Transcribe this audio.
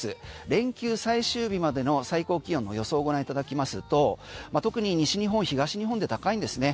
連休最終日までの最高気温の予想をご覧いただきますと特に西日本、東日本で高いんですね。